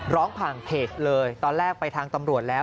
ร้องผ่านเพจเลยตอนแรกไปทางตำรวจแล้ว